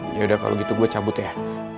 yaudah kalo gitu gue cabut ya